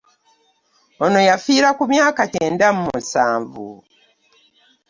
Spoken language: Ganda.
Ono yafiira ku myaka kyenda mu musanvu